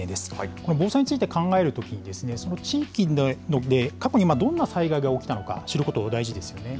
この防災について考えるときに、その地域で過去にどんな災害が起きたのか、知ること大事ですよね。